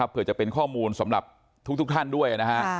เพื่อจะเป็นข้อมูลสำหรับทุกท่านด้วยนะฮะ